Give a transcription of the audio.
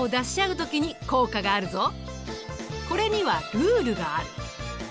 これにはルールがある。